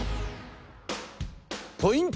ポイント